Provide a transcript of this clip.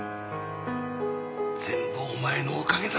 全部お前のおかげだ。